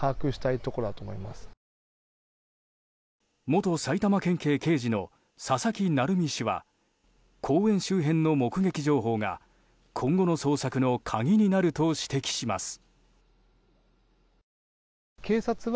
元埼玉県警刑事の佐々木成三氏は公園周辺の目撃情報が今後の捜索の鍵になると指摘します。